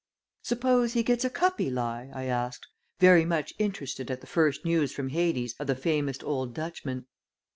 "Suppose he gets a cuppy lie?" I asked, very much interested at the first news from Hades of the famous old Dutchman.